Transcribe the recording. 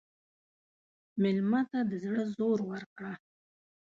مېلمه ته د زړه زور ورکړه.